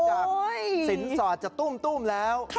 จากสินสอดจะตุ้มแล้ว